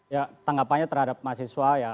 ya tanggapannya terhadap mahasiswa